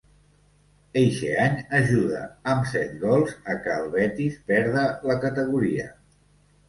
Eixe any ajuda, amb set gols, a què el Betis perda la categoria.